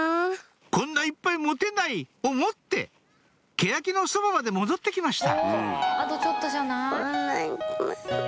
「こんないっぱい持てない」を持ってけやきのそばまで戻ってきました